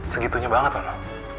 segitunya banget no